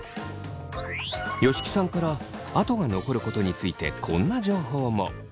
吉木さんから跡が残ることについてこんな情報も。